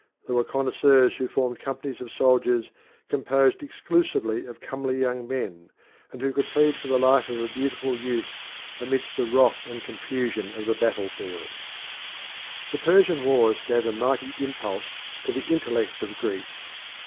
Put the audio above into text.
There were connoisseurs who formed companies of soldiers composed exclusively of comely young men, and who could plead for the life of a beautiful youth amidst the wrath and confusion of the battlefield. The Persian wars gave a mighty impulse to the intellect of Greece.